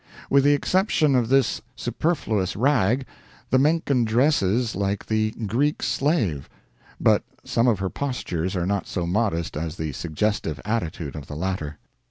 With the exception of this superfluous rag, the Menken dresses like the Greek Slave; but some of her postures are not so modest as the suggestive attitude of the latter.